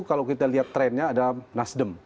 kalau kita lihat trennya ada nasdem